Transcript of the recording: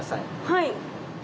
はい。